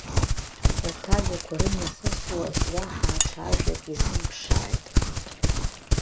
Урҭ ажәақәа рымҩа хызтуаз уаҳа аҽа ажәак изымԥшааит.